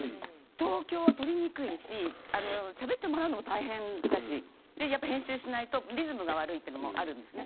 東京はとりにくいししゃべってもらうのも大変だし編集しないとリズムが悪いというのもあるんです。